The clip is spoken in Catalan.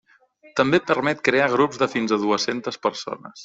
També permet crear grups de fins a dues-centes persones.